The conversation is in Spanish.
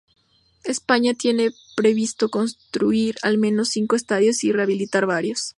España tiene previsto construir, al menos, cinco estadios y rehabilitar varios.